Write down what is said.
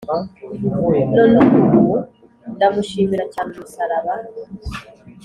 Non' ubu ndamushimira cyane Umusaraba.